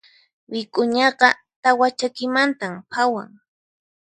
Wik'uñaqa tawa chakimanta phawan.